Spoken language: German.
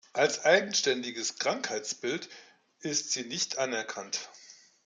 Als eigenständiges Krankheitsbild ist sie nicht anerkannt.